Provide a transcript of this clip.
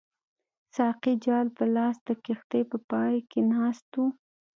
ساقي جال په لاس د کښتۍ په پای کې ناست وو.